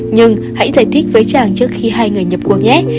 nhưng hãy giải thích với chàng trước khi hai người nhập quốc nhé